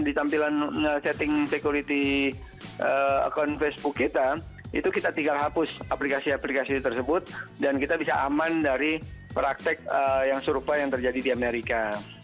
dan setting security akun facebook kita itu kita tinggal hapus aplikasi aplikasi tersebut dan kita bisa aman dari praktek yang serupa yang terjadi di amerika